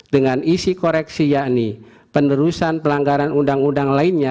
dengan isi koreksi yakni penerusan pelanggaran undang undang lainnya